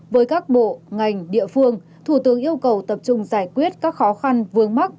với các bộ ngành địa phương thủ tướng yêu cầu tập trung giải quyết các khó khăn vướng mắt